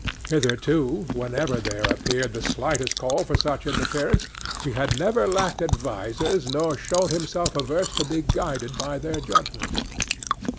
Hitherto, whenever there appeared the slightest call for such interference, he had never lacked advisers nor shown himself averse to be guided by their judgment.